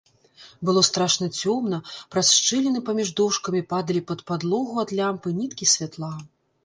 Было страшна цёмна, праз шчыліны паміж дошкамі падалі пад падлогу ад лямпы ніткі святла.